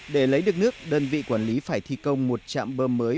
để lấy được nước đơn vị quản lý phải thi công một trạm bơm mới